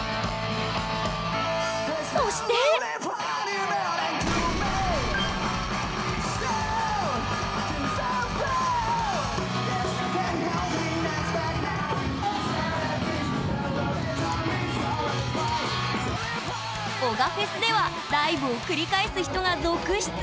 そして男鹿フェスではダイブを繰り返す人が続出！